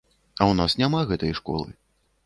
А ў нас няма гэтай школы.